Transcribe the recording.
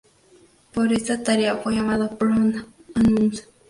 Por esa tarea fue llamado "Bröt-Anund".